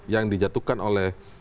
yang dijatuhkan oleh